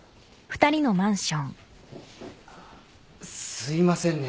すいませんね